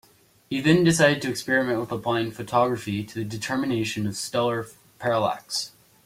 He then decided to experiment with applying photography to the determination of stellar parallax.